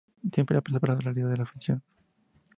Siempre separando la realidad de la ficción.